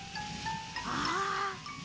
ああ。